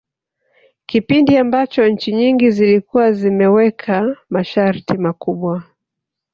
Kipindi ambacho nchi nyingi zilikuwa zimeweka masharti makubwa